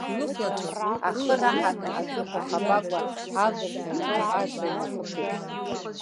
Ахы раҳаны, аҵыхәа хапагәа авырҳәа иҟьо, ажра инахыԥеит.